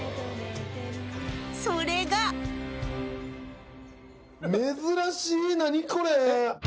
それが珍しい何これ？